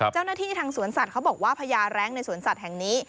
เจ้าหน้าที่ทางสวนสัตว์เขาบอกว่าพญาแร้งในสวนสัตว์แห่งนี้